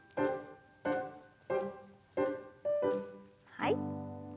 はい。